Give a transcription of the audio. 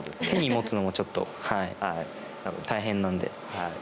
手に持つのもちょっと大変なんで。